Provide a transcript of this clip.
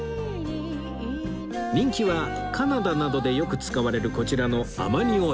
人気はカナダなどでよく使われるこちらの